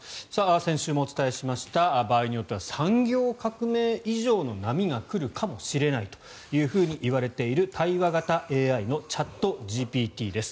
先週もお伝えしました場合によっては産業革命以上の波が来るかもしれないといわれている対話型ＡＩのチャットＧＰＴです。